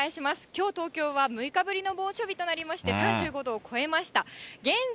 きょう、東京は６日ぶりの猛暑日となりまして、３５度を超えました。